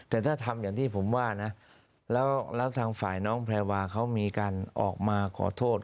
แต่ถ้าทำอย่างที่ผมว่านะแล้วทางฝ่ายน้องแพรวาเขามีการออกมาขอโทษ